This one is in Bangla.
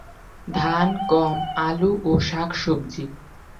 ধান, গম, আলু ও শাকসবজি।